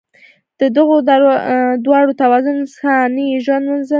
د دغو دواړو توازن انساني ژوند منظم ساتي.